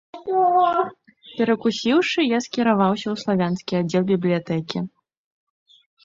Перакусіўшы, я скіраваўся ў славянскі аддзел бібліятэкі.